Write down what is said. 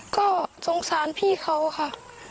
ก็สงสารพี่เขาค่ะ